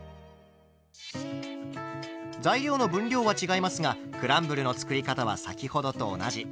材料の分量は違いますがクランブルの作り方は先ほどと同じ。